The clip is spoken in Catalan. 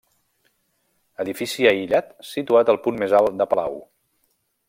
Edifici aïllat situat al punt més alt de Palau.